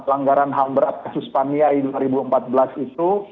pelanggaran ham berat kasus paniai dua ribu empat belas itu